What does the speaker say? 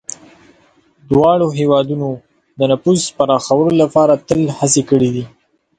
دواړه هېوادونه د نفوذ پراخولو لپاره تل هڅې کړي دي.